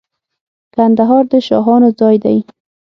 کندهار د شاهانو ځای دی.